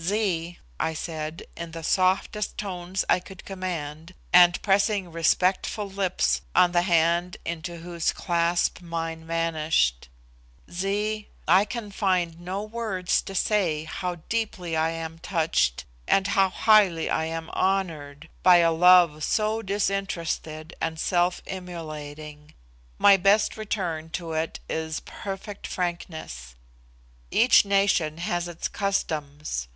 "Zee," I said, in the softest tones I could command and pressing respectful lips on the hand into whose clasp mine vanished "Zee, I can find no words to say how deeply I am touched, and how highly I am honoured, by a love so disinterested and self immolating. My best return to it is perfect frankness. Each nation has its customs.